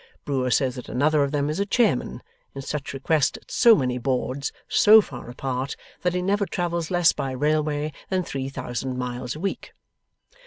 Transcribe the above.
Brewer says that another of them is a Chairman, in such request at so many Boards, so far apart, that he never travels less by railway than three thousand miles a week.